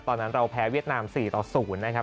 ตอนนั้นเราแพ้เวียดนาม๔ต่อ๐นะครับ